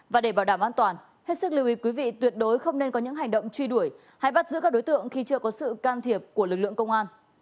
và để bảo đảm an toàn hết sức lưu ý quý vị tuyệt đối không nên có những hành động truy đuổi hay bắt giữ các đối tượng khi chưa có sự can thiệp của lực lượng công an